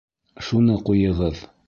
Шуны ҡуйығыҙ.